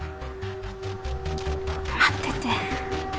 待ってて。